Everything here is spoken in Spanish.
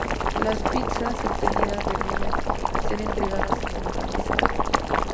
Las pizzas obtenidas, debían ser entregadas a una cabeza.